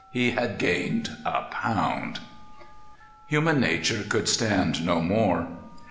[Illustration: HE HAD GAINED A POUND!] Human nature could stand no more.